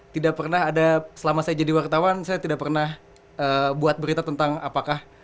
tidak pernah ada selama saya jadi wartawan saya tidak pernah buat berita tentang apakah